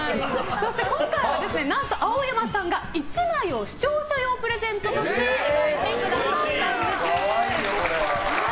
今回は何と青山さんが１枚を視聴者用プレゼントとしてくださったんです。